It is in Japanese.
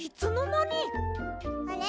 あれ？